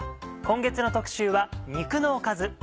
今月の特集は肉のおかず。